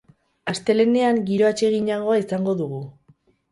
Astelehenean giro atseginagoa izango dugu.